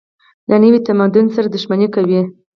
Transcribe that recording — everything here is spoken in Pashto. له نوي تمدن سره دښمني کوي.